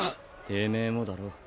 てめえもだろ。